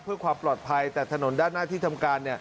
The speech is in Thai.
เพื่อความปลอดภัยแต่ถนนด้านหน้าที่ทำการ